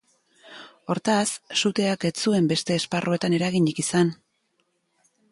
Hortaz, suteak ez zuen beste esparruetan eraginik izan.